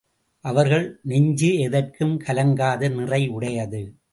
அவர்கள் நெஞ்சு எதற்கும் கலங்காத நிறை உடையது.